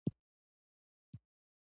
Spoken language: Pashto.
خلک د ګډ کار له لارې ستونزې حلوي